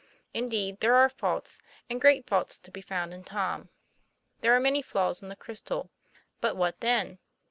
Indeed there are faults, and great faults, to be found in Tom. There are many flawstin the crystal. But what then?